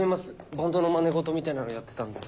バンドのまね事みたいなのやってたんで。